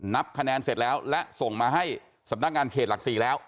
นับคะแนนเสร็จแล้วและส่งมาให้สำนักงานเขตหลัก๔แล้ว